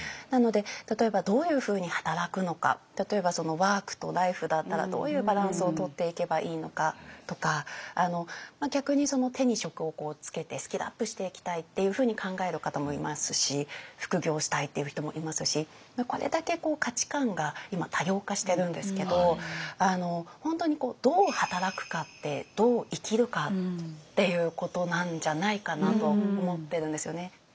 なので例えばどういうふうに働くのか例えばワークとライフだったらどういうバランスをとっていけばいいのかとか逆に手に職をつけてスキルアップしていきたいっていうふうに考える方もいますし副業したいっていう人もいますしこれだけ価値観が今多様化してるんですけど本当にどう働くかってどう生きるかっていうことなんじゃないかなと思ってるんですよね。